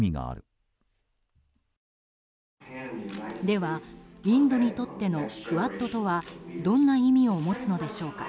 では、インドにとってのクアッドとはどんな意味を持つのでしょうか。